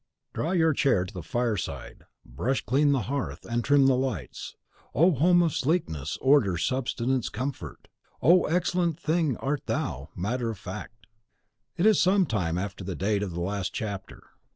Draw your chair to the fireside, brush clean the hearth, and trim the lights. Oh, home of sleekness, order, substance, comfort! Oh, excellent thing art thou, Matter of Fact! It is some time after the date of the last chapter.